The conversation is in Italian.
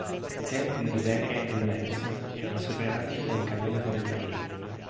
I templi di Venere e Mens erano separati da un canale fognario.